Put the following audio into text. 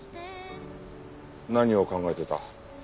何を考えてた？